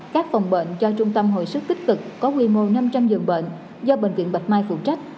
các phòng bệnh do trung tâm hồi sức tích cực có quy mô năm trăm linh giường bệnh do bệnh viện bạch mai phụ trách